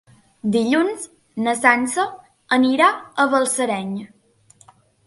Dilluns na Sança anirà a Balsareny.